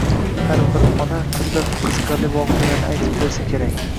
har bir ona ko‘plab qiziqarli voqealarni aytib bersa kerak.